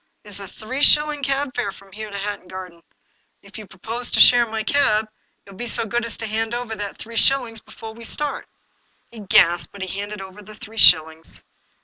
It is a three shilling cab fare from here to Hatton Garden. If you propose to share my cab, you will be so good as to hand over that three shillings before we start." He gasped, but he handed over the three shillings.